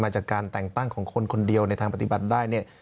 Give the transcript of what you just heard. จากการแต่งตั้งของคนคนเดียวในทางปฏิบัติได้เนี่ย